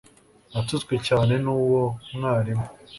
Natutswe cyane nuwo mwarimu